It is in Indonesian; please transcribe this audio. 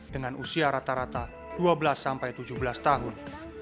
dengan usia rata rata dua belas sampai tujuh belas tahun